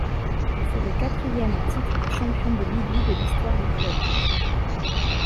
C'est le quatrième titre de champion de Libye de l'histoire du club.